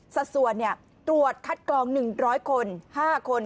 สัดส่วนตรวจคัดกรอง๑๐๐คน๕คน